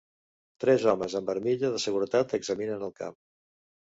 Tres homes amb armilla de seguretat examinen el camp.